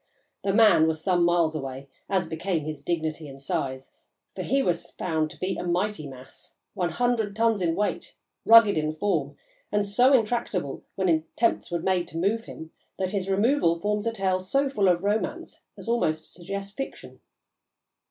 The "man" was some miles away, as became his dignity and size, for he was found to be a mighty mass, one hundred tons in weight, rugged in form, and so intractable when attempts were made to move him, that his removal forms a tale so full of romance as almost to suggest fiction.